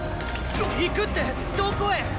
行くってどこへっ⁉